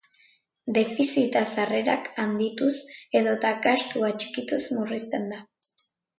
Defizita sarrerak handituz edota gastua txikituz murrizten da.